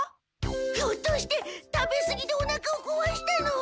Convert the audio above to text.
ひょっとして食べすぎでおなかをこわしたの？